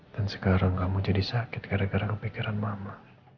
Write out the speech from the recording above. dan sekarang kamu jadi sakit karena karena kepikiran mama